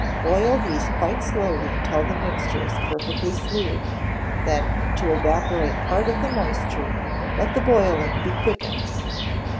Boil these quite slowly until the mixture is perfectly smooth; then, to evaporate part of the moisture, let the boiling be quickened.